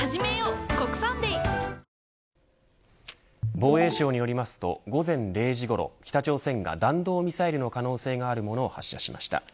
防衛省によりますと午前０時ごろ北朝鮮が弾道ミサイルの可能性があるものを発射しました。